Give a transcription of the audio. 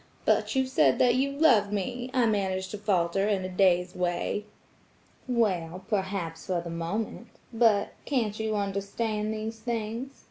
'But you said that you loved me.' I managed to falter in a dazed way. 'Well, perhaps, for the moment. But–can't you understand these things?